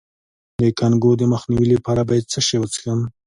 د کانګو د مخنیوي لپاره باید څه شی وڅښم؟